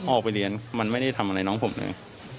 ออกไปเรียนมันไม่ได้ทำอะไรน้องผมเลย